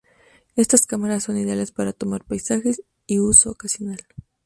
Estas cámaras son ideales para tomar paisajes y uso ocasional.